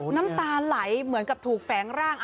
น้ำตาไหลเหมือนกับถูกแฝงร่าง